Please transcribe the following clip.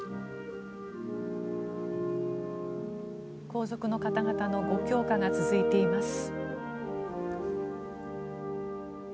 皇族の方々のご供花が続いています。